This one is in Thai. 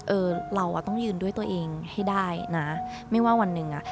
เออเราอ่ะต้องยืนด้วยตัวเองให้ได้นะไม่ว่าวันหนึ่งอ่ะ